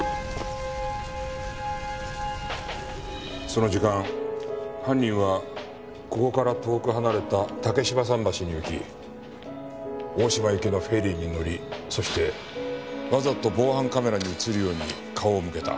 その時間犯人はここから遠く離れた竹芝桟橋に行き大島行きのフェリーに乗りそしてわざと防犯カメラに映るように顔を向けた。